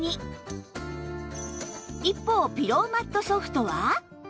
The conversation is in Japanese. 一方ピローマット Ｓｏｆｔ は